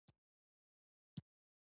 بس نور خط پر کش کړئ.